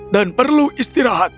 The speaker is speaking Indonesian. dan perlu istirahat